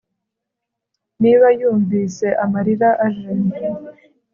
Niba yumvise amarira aje